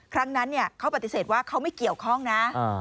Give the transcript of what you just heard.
ครั้งนั้นเขาปฏิเสธว่าเขาไม่เกี่ยวข้องนะ